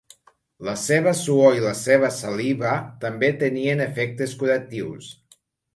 La seva suor i la seva saliva també tenien efectes curatius.